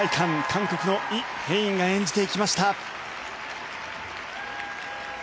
韓国のイ・ヘインが演じていきました。